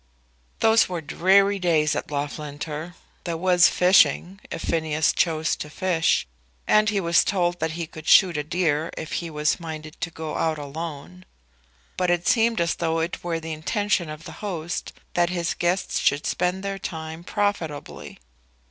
Those were dreary days at Loughlinter. There was fishing, if Phineas chose to fish; and he was told that he could shoot a deer if he was minded to go out alone. But it seemed as though it were the intention of the host that his guests should spend their time profitably.